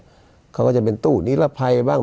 ประเทศมาเนี่ยเขาก็จะเป็นตู้นิรภัยบ้าง